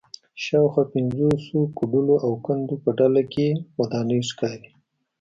شاوخوا پنځوسو کوډلو او کندو په ډله کې ودانۍ ښکاري